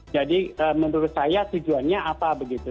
jadi menurut saya tujuannya apa begitu